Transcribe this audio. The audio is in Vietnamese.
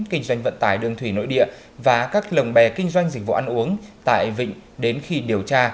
kinh doanh vận tải đường thủy nội địa và các lồng bè kinh doanh dịch vụ ăn uống tại vịnh đến khi điều tra